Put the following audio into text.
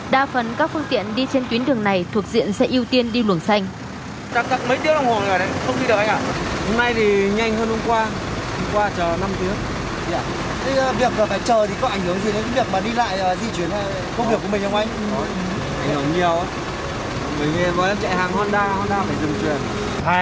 đa phần các phương tiện đi trên tuyến đường này thuộc diện sẽ ưu tiên đi lùng xanh